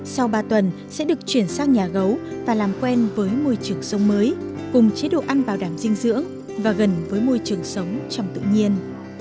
sau ba tuần sẽ được chuyển sang nhà gấu và làm quen với môi trường sông mới cùng chế độ ăn bảo đảm dinh dưỡng và gần với môi trường sống trong tự nhiên